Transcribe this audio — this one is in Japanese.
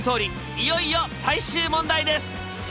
いよいよ最終問題です！